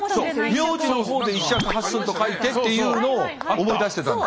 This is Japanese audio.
名字の方で一尺八寸と書いてっていうのを思い出してたんだ。